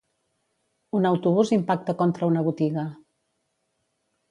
Un autobús impacta contra una botiga.